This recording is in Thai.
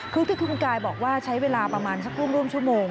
คือที่คุณกายบอกว่าใช้เวลาประมาณสักร่วมชั่วโมง